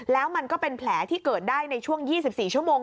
แล้วมันก็เป็นแผลที่เกิดได้ในช่วง๒๔ชั่วโมง